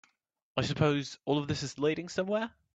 I suppose all this is leading somewhere?